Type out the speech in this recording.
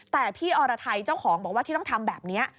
แต่พี่อรไทยเจ้าของบอกว่าที่ต้องทำแบบนี้